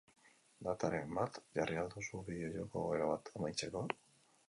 Dataren bat jarri al duzu bideo-jokoa erabat amaitzeko?